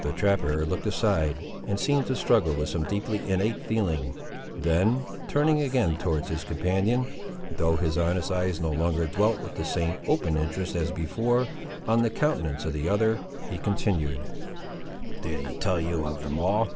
The trapper looked aside, and seemed to struggle with some deeply innate feeling; then, turning again towards his companion, though his honest eyes no longer dwelt with the same open interest, as before, on the countenance of the other, he continued— "Did he tell you of them all?